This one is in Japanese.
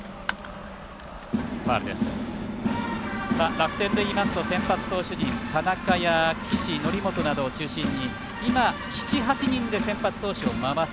楽天で言いますと先発投手陣田中、岸、則本などを中心に今、７８人で先発投手を回す。